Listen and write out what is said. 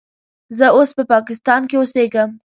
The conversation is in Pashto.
زه اوس په پاکستان کې اوسیږم.